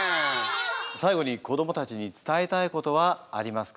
最後に子どもたちに伝えたいことはありますか？